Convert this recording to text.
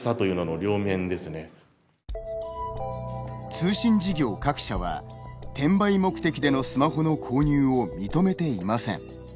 通信事業各社は転売目的でのスマホの購入を認めていません。